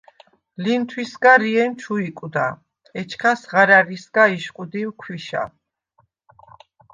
ლინთვისგა რიენ ჩუ იკვდა, ეჩქას ღარა̈რისგა იშყვდივ ქვიშა.